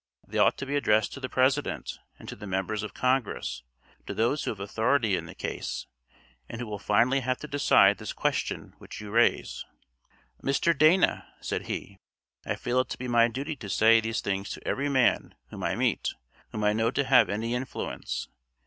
They ought to be addressed to the President and to the members of Congress, to those who have authority in the case, and who will finally have to decide this question which you raise." "Mr. Dana," said he, "I feel it to be my duty to say these things to every man whom I meet, whom I know to have any influence.